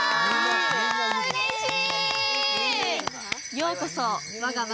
うれしい！